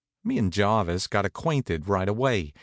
Me and Jarvis got acquainted right away.